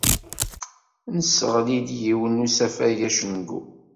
Nesseɣli-d yiwen n usafag acengu.